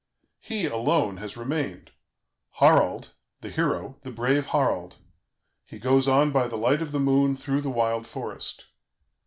"He alone has remained Harald, the hero, the brave Harald; he goes on by the light of the moon through the wild forest.